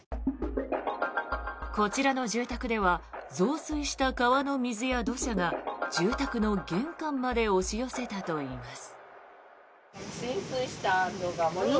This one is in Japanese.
こちらの住宅では増水した川の水や土砂が住宅の玄関まで押し寄せたといいます。